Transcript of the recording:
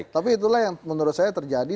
tapi itulah yang menurut saya terjadi